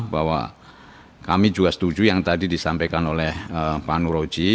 bahwa kami juga setuju yang tadi disampaikan oleh pak nurroji